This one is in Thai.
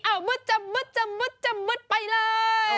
อ้าวมึดจะมึดจะมึดจะมึดไปเลย